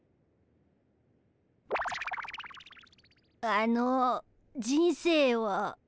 あの人生は？